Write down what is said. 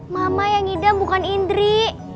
mama yang ngidam bukan indri